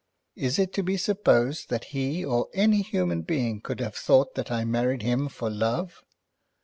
Is it to be supposed that he or any human being could have thought that I married him for love?